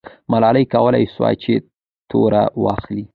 ملالۍ کولای سوای چې توره واخلي.